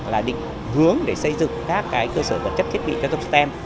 là định hướng để xây dựng các cơ sở vật chất thiết bị cho stem